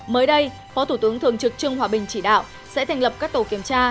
mới đây phó thủ tướng thường trực trương hòa bình chỉ đạo sẽ thành lập các tổ kiểm tra